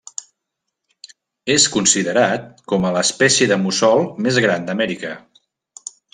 És considerat com a l'espècie de mussol més gran d'Amèrica.